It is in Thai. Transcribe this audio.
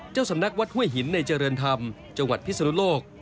เจ้าสำนักวัดห้วยหินในเจริญธรรมจังหวัดพิศนุโลก